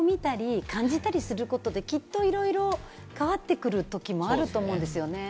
意外と伝わっていて、子供たちの中で周りを見たり感じたりすることできっといろいろ変わってくるときもあると思うんですよね。